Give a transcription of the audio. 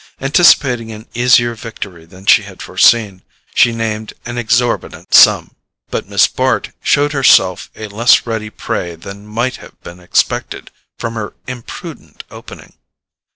Anticipating an easier victory than she had foreseen, she named an exorbitant sum. But Miss Bart showed herself a less ready prey than might have been expected from her imprudent opening.